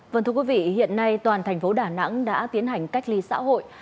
vâng thưa quý vị hiện nay toàn thành phố đà nẵng đã tiến hành cách ly xã hội